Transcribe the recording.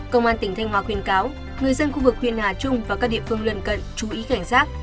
công an tỉnh thanh hóa khuyên cáo người dân khu vực huyện hà trung và các địa phương lân cận chú ý cảnh giác